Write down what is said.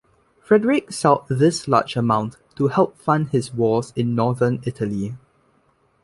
Frederick sought this large amount to help fund his wars in northern Italy.